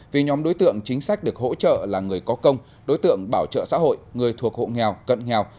vì nhóm đối tượng chính sách được hỗ trợ là người có công đối tượng bảo trợ xã hội người thuộc hộ nghèo cận nghèo